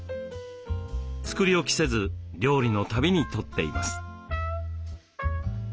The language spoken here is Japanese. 作り置きせず料理のたびにとっています。